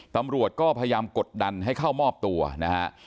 ตำรวจก็พยายามกดดันให้เข้ามอบตัวนะฮะ